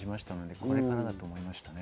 これからだと思いましたね。